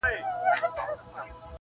مُلا په ولاحول زموږ له کوره وو شړلی-